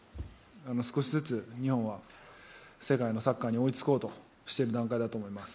少しずつ日本は世界のサッカーに追いつこうとしている段階だと思います。